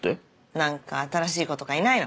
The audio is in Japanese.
何か新しい子とかいないの？